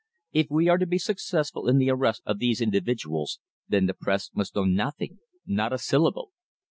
If we are to be successful in the arrest of these individuals, then the press must know nothing not a syllable.